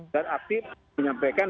dan aktif menyampaikan